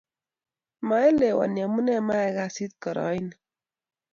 Maelewani amune mayai kasit koroini